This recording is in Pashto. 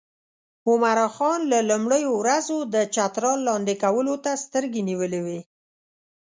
عمرا خان له لومړیو ورځو د چترال لاندې کولو ته سترګې نیولې وې.